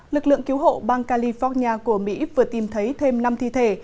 lực lượng cứu hộ bang california của mỹ vừa tìm thấy thêm năm thi thể